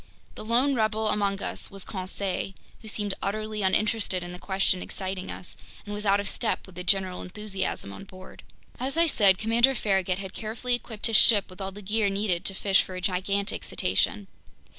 The lone rebel among us was Conseil, who seemed utterly uninterested in the question exciting us and was out of step with the general enthusiasm on board. As I said, Commander Farragut had carefully equipped his ship with all the gear needed to fish for a gigantic cetacean.